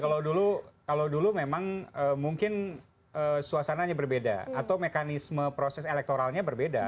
kalau dulu memang mungkin suasananya berbeda atau mekanisme proses elektoralnya berbeda